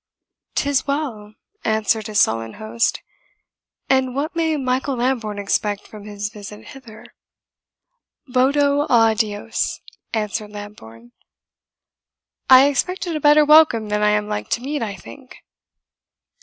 "'Tis well," answered his sullen host. "And what may Michael Lambourne expect from his visit hither?" "VOTO A DIOS," answered Lambourne, "I expected a better welcome than I am like to meet, I think."